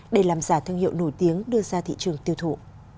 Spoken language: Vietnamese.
để làm giả thương hiệu nổi tiếng đưa ra thị trường tiêu thụ